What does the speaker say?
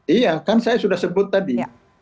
iya kan saya sudah sebut tadi